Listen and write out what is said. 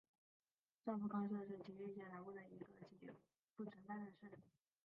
上福冈市是崎玉县南部的一个已不存在的市。